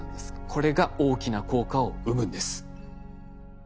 これが大きな効果を生むんです。